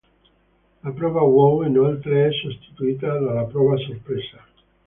La Prova Wow inoltre è sostituita dalla Prova Sorpresa.